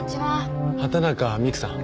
畑中美玖さん？